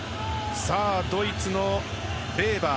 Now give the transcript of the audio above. ドイツのベーバー。